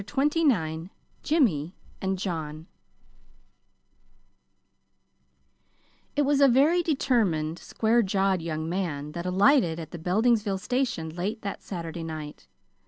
CHAPTER XXIX JIMMY AND JOHN It was a very determined, square jawed young man that alighted at the Beldingsville station late that Saturday night.